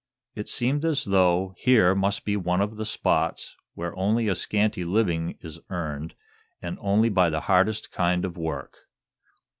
It seemed as though here must be one of the spots where only a scanty living is earned and only by the hardest kind of work.